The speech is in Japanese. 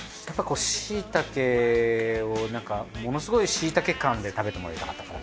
しいたけをなんかものすごいしいたけ感で食べてもらいたかったから。